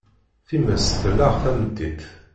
Times telleɣ tamdint.